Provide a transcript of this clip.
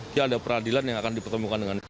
dia ada peradilan yang akan dipertemukan dengan